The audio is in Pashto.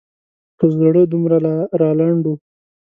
په زړه دومره رالنډ و.